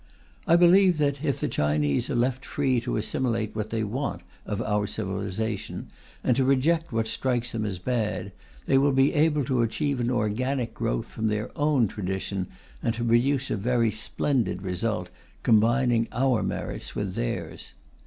I believe that, if the Chinese are left free to assimilate what they want of our civilization, and to reject what strikes them as bad, they will be able to achieve an organic growth from their own tradition, and to produce a very splendid result, combining our merits with theirs.